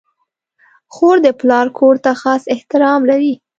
خور د پلار کور ته خاص احترام لري.